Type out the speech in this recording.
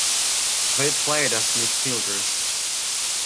They played as midfielders.